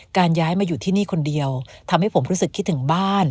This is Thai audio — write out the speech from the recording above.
ย้ายมาอยู่ที่นี่คนเดียวทำให้ผมรู้สึกคิดถึงบ้าน